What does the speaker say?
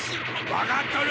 分かっとる。